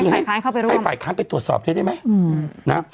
ให้ฝ่ายค้างไปตรวจสอบใช่ไหม